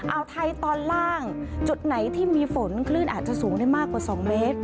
อ่าวไทยตอนล่างจุดไหนที่มีฝนคลื่นอาจจะสูงได้มากกว่า๒เมตร